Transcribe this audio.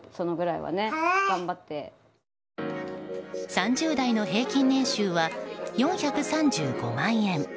３０代の平均年収は４３５万円。